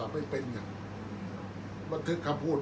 อันไหนที่มันไม่จริงแล้วอาจารย์อยากพูด